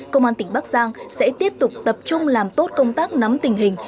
công an tỉnh bắc giang sẽ tiếp tục tập trung làm tốt công tác nắm tình hình